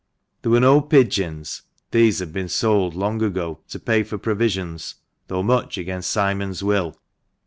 There were no pigeons — these had been sold long ago, to pay for provisions, though much against Simon's will.